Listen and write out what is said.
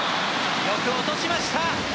よく落としました！